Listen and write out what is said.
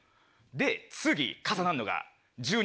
で次重なんのが１２時。